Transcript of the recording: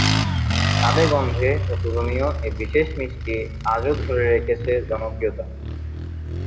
স্বাদে-গন্ধে অতুলনীয় এ বিশেষ মিষ্টি আজও ধরে রেখেছে জনপ্রিয়তা।